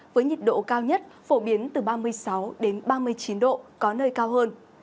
với nhiệt độ cao nhất phổ biến từ ba mươi sáu ba mươi chín độ có nơi cao hơn